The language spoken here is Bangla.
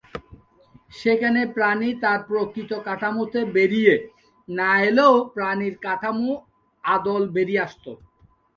সেখানে প্রাণী তার প্রকৃত কাঠামোতে বেরিয়ে না এলেও প্রাণীর কাঠামোর আদল বেরিয়ে আসতো।